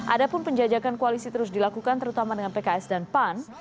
adapun penjajakan koalisi terus dilakukan terutama dengan pks dan pan